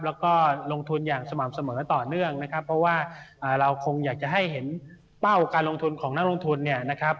แล้วก็ลงทุนอย่างสม่ำเสมอต่อเนื่องนะครับเพราะว่าเราคงอยากจะให้เห็นเป้าการลงทุนของนักลงทุนเนี่ยนะครับ